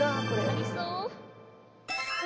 ありそう。